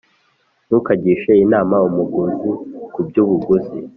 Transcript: ntukagishe inama umuguzi ku by’ubuguzi,